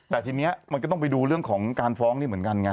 แต่ทีนี้มันก็ต้องไปดูเรื่องของการฟ้องนี่เหมือนกันไง